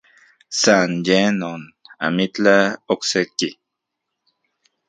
San ye non, amitlaj okse-ki.